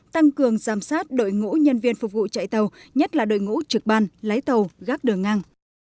tăng cường giám sát đội ngũ nhân viên phục vụ chạy tàu nhất là đội ngũ trực ban lái tàu gác đường ngang